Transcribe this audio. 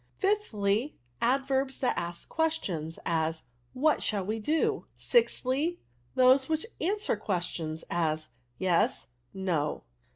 Sthlyi Adverbs that ask questions; as, * What shall we do?' Cthly, Those which answer questions; as, * Yes! ' No!